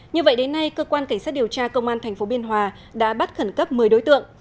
như vậy đến nay cơ quan cảnh sát điều tra công an tp biên hòa đã bắt khẩn cấp một mươi đối tượng